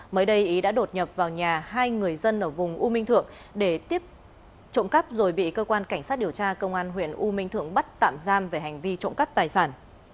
mới đây ý đã đột nhập vào nhà hai người dân ở vùng u minh thượng để tiếp trộm cắp rồi bị cơ quan cảnh sát điều tra công an huyện u minh thượng bắt tạm giam về hành vi trộm cắp tài sản